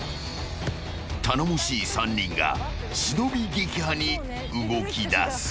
［頼もしい３人が忍撃破に動きだす］